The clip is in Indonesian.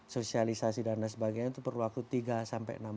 sosialisasi dana sebagainya itu perlu waktu tiga sampai enam tahun